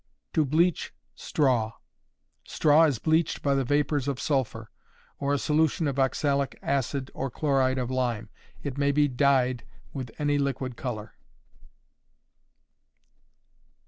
To Bleach Straw. Straw is bleached by the vapors of sulphur, or a solution of oxalic acid or chloride of lime. It may be dyed with any liquid color.